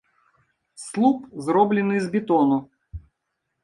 Слуп зроблены з бетону.